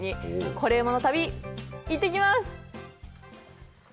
「コレうまの旅」、行ってきます！